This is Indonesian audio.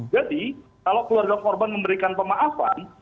jadi kalau keluarga korban memberikan pemaafan